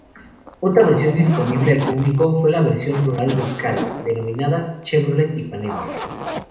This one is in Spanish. Otra versión disponible al público fue la versión rural del Kadett, denominada Chevrolet Ipanema.